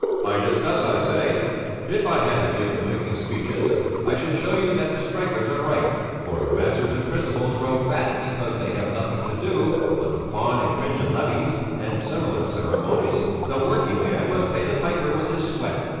"I discuss, I say. If I had the gift of making speeches, I should show you that the strikers are right; for if masters and principals grow fat because they have nothing to do but to fawn and cringe at levees, and similar ceremonies, the working man must pay the piper with his sweat.